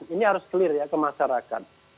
ini harus clear ya ke masyarakat